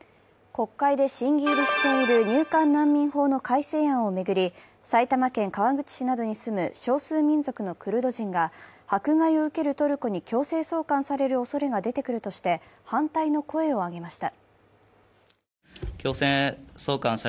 国会で審議入りしている入管難民法の改正案を巡り埼玉県川口市などに住む少数民族のクルド人が迫害を受けるトルコに強制送還されるおそれが出てくるとして、反対の声を上げました。